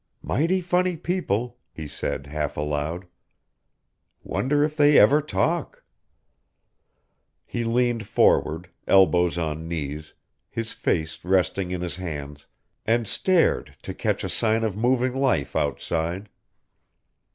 "Mighty funny people," he said half aloud. "Wonder if they ever talk!" He leaned forward, elbows on knees, his face resting in his hands, and stared to catch a sign of moving life outside.